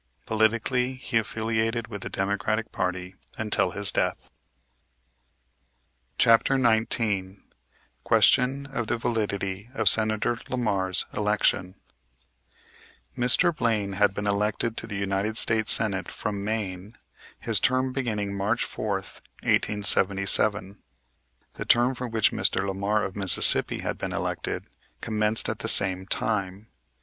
Politically he affiliated with the Democratic party until his death. CHAPTER XIX QUESTION OF THE VALIDITY OF SENATOR LAMAR'S ELECTION Mr. Blaine had been elected to the United States Senate from Maine, his term beginning March 4th, 1877. The term for which Mr. Lamar, of Mississippi, had been elected, commenced at the same time.